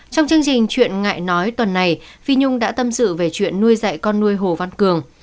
trong chương trình chuyện ngại nói tuần này phi nhung đã tâm sự về chuyện nuôi dạy con nuôi hồ văn cường